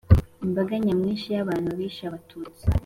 Imbaga nyamwinshi y’Abahutu yishe Abatutsi